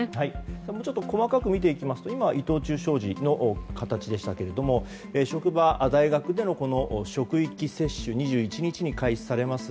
もうちょっと細かく見ていきますと今のは、伊藤忠商事でしたが職場、大学での職域接種は２１日に開始されます。